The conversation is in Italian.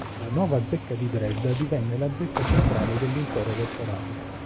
La nuova zecca di Dresda divenne la zecca centrale dell'intero elettorato.